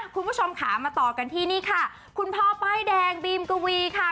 คุณผู้ชมค่ะมาต่อกันที่นี่ค่ะคุณพ่อป้ายแดงบีมกวีค่ะ